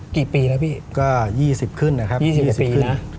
กี่ปีแล้วพี่ก็๒๐ขึ้นนะครับ๒๐กว่าปีนะ